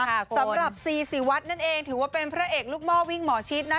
สำหรับซีซีวัดนั่นเองถือว่าเป็นพระเอกลูกหม้อวิ่งหมอชิดนะ